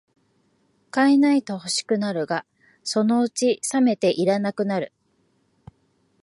買えないと欲しくなるが、そのうちさめていらなくなる